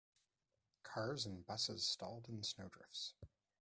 Cars and busses stalled in snow drifts.